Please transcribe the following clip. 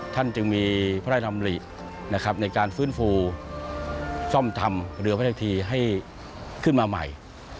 ท่านจึงมีพระราชดำรินะครับในการฟื้นฟูซ่อมทำเรือพระเทพธีให้ขึ้นมาใหม่